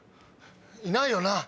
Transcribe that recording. いないよな？